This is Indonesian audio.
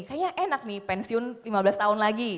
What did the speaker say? kayaknya enak nih pensiun lima belas tahun lagi